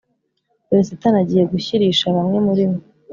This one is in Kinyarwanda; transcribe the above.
Dore Satani agiye gushyirisha bamwe muri mwe